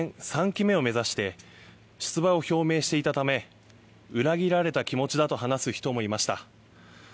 ３期目を目指して出馬を表明していたため裏切られた気持ちだと話す人もいました。